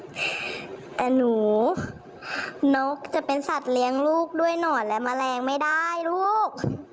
แต่หนูนกจะเป็นสัตว์เลี้ยงลูกด้วยหนอนและแมลงไม่ได้ลูก